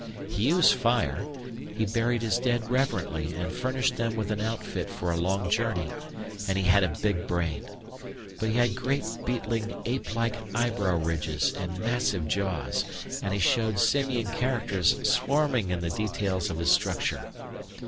He used fire; he buried his dead reverently and furnished them with an outfit for a long journey; and he had a big brain. But he had great beetling, ape like eyebrow ridges and massive jaws, and he showed "simian characters swarming in the details of his structure."